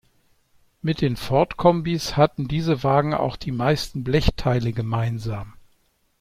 Mit den Ford-Kombis hatten diese Wagen auch die meisten Blechteile gemeinsam.